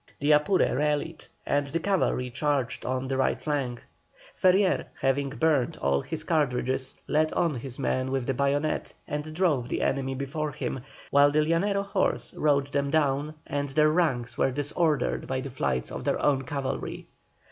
The Apure rallied, and the cavalry charged on the right flank. Ferrier, having burned all his cartridges, led on his men with the bayonet and drove the enemy before him, while the Llanero horse rode them down, and their ranks were disordered by the flight of their own cavalry.